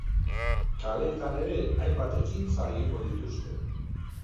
Kaleetan ere hainbat ekintza egingo dituzte.